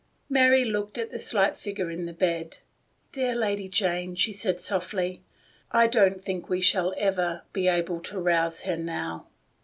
Mary looked at the slight figure in the bed. "Dear Lady Jane," she said softly, "I don't think we shall ever — be able to rouse her now."